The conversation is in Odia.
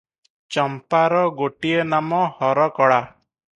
ଚମ୍ପାର ଗୋଟିଏ ନାମ ହରକଳା ।